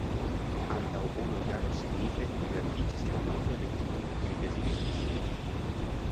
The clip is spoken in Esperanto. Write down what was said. Antaŭ unu jaro signife pligrandiĝis la nombro de tiuj, kiuj deziris viziti Brition.